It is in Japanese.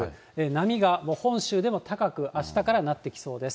波が本州でも高く、あしたからなってきそうです。